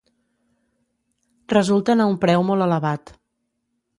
Resulten a un preu molt elevat.